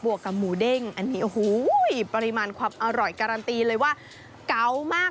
วกกับหมูเด้งอันนี้โอ้โหปริมาณความอร่อยการันตีเลยว่าเก๋ามาก